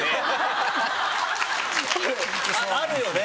あるよね